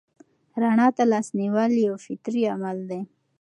رڼا ته لاس نیول یو فطري عمل دی.